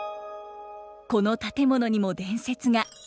この建物にも伝説が。